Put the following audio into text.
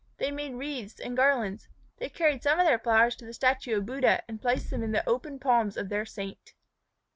They made wreaths and garlands. They carried some of their flowers to the statue of Buddha and placed them in the open palms of their saint.